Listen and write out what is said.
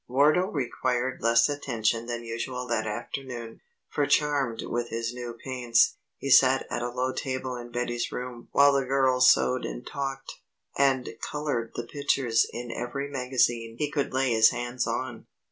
Wardo required less attention than usual that afternoon, for charmed with his new paints, he sat at a low table in Betty's room while the girls sewed and talked, and coloured the pictures in every magazine he could lay his hands on.